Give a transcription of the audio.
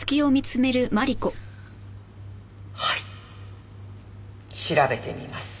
はい調べてみます